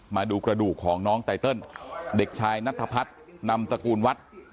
มาดูกระดูกของน้องไตเติลเด็กชายนัทพัฒน์นำตระกูลวัด